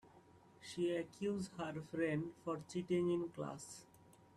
She accuse her friend for cheating in class.